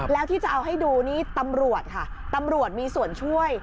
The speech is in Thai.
แล้วที่จะเอาให้ดูนี่ตำรวจค่ะตำรวจมีส่วนช่วย